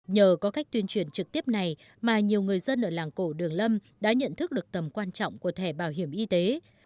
nhờ có cách tuyên truyền trực tiếp này mà nhiều người dân ở làng cổ đường lâm đã nhận thức được tầm quan trọng của thẻ bảo hiểm y tế